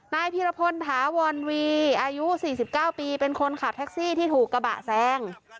พีรพลถาวรวีอายุ๔๙ปีเป็นคนขับแท็กซี่ที่ถูกกระบะแซง